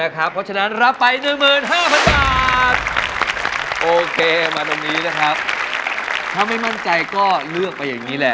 คล้าไว้ก่อน